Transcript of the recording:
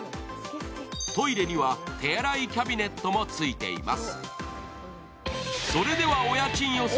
トイレには手洗いキャビネットもついています。